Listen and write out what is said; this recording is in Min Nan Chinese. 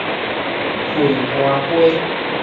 惠安街